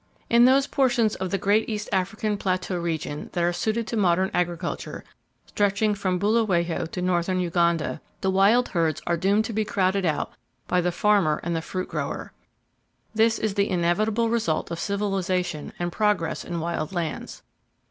In those portions of the great East African plateau region that are suited to modern agriculture, stretching from Buluwayo to northern Uganda, the wild herds are doomed to be crowded out by the farmer and the fruit grower. This is the inevitable result of civilization and progress in wild lands.